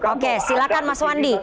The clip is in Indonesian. oke silakan mas wandi dibuka saja